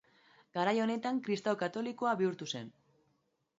Garai honetan kristau katolikoa bihurtu zen.